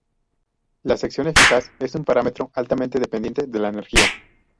La sección eficaz es un parámetro altamente dependiente de la energía.